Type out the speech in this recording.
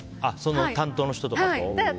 担当の人とかとね。